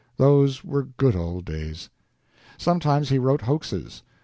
Those were good old days. Sometimes he wrote hoaxes.